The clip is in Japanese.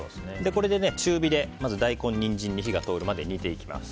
これで中火で大根、ニンジンに火が入るまで煮ていきます。